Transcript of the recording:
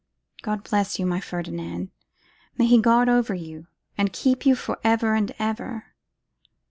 God bless you, my Ferdinand. May He guard over you, and keep you for ever and ever.